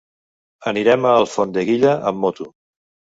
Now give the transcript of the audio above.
Anirem a Alfondeguilla amb moto.